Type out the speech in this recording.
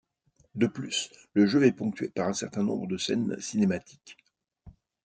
De plus, le jeu est ponctué par un certain nombre de scènes cinématiques.